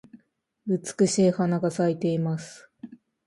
美しい花が咲いています。